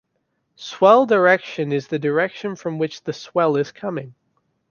Swell direction is the direction from which the swell is coming.